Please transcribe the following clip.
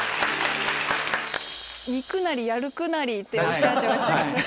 「煮るなり焼くなり」っておっしゃってました。